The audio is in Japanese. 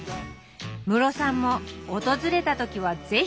ムロさんも訪れた時は是非！